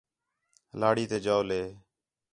لہڑی تے جَولے